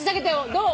どう？